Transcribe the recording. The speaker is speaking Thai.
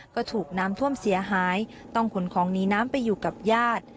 ก็ถูกน้ำท่วมเสียหายต้องขนของหนีน้ำไปอยู่กับญาติ